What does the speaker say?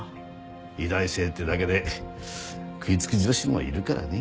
医大生ってだけで食いつく女子もいるからね。